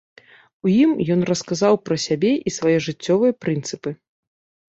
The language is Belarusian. У ім ён расказаў пра сябе і свае жыццёвыя прынцыпы.